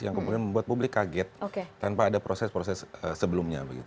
yang kemudian membuat publik kaget tanpa ada proses proses sebelumnya